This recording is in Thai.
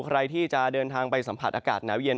ใครที่จะเดินทางไปสัมผัสอากาศหนาวเย็น